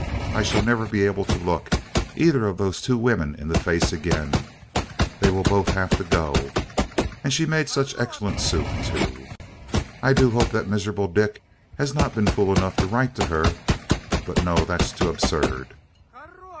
I shall never be able to look either of those women in the face again: they will both have to go and she made such excellent soup, too. I do hope that miserable Dick has not been fool enough to write to her but no, that's too absurd."